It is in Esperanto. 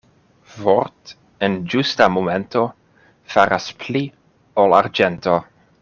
Vort' en ĝusta momento faras pli ol arĝento.